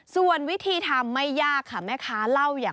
ส่วนวิธีทำไม่ยากค่ะแม่ค้า